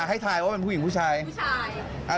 เฮ่ยธ่ายว่าเป็นผู้หญิงหรือผู้ชาย